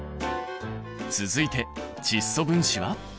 続いて窒素分子は？